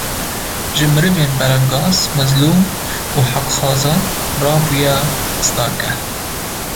Ji merivên belengaz, mezlum û heqxwazan re bûye stargeh